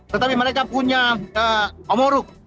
tetapi mereka punya omoruk